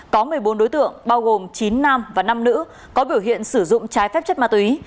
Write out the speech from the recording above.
có một mươi bốn đối tượng bao gồm chín nam và năm nữ có biểu hiện sử dụng trái phép chất ma túy